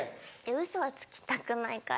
ウソはつきたくないから。